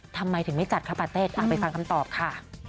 ทำไมถึงไม่จัดครับปาเต็ดไปฟังคำตอบค่ะ